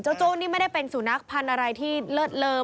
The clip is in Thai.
โจ้นี่ไม่ได้เป็นสุนัขพันธุ์อะไรที่เลิศเลอ